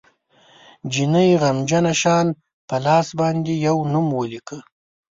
جینۍ غمجنه شان په لاس باندې یو نوم ولیکه